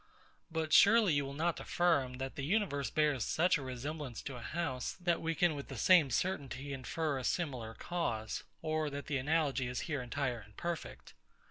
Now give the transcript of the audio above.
But surely you will not affirm, that the universe bears such a resemblance to a house, that we can with the same certainty infer a similar cause, or that the analogy is here entire and perfect.